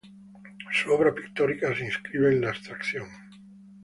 Su obra pictórica se inscribe en la abstracción.